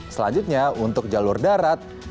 selanjutnya untuk jalur darat